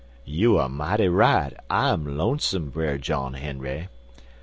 "You er mighty right, I'm lonesome, Brer John Henry.